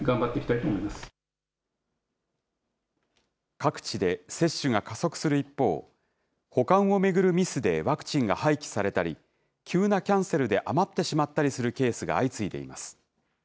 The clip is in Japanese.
各地で、接種が加速する一方、保管を巡るミスでワクチンが廃棄されたり、急なキャンセルで余ってしまったりするケースが相次いでいます。